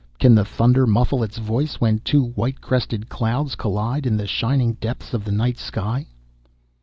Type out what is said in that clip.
Can the thunder muffle its voice when two white crested clouds collide in the shining depths of the night sky?"